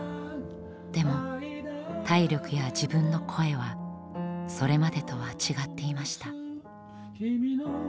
でも体力や自分の声はそれまでとは違っていました。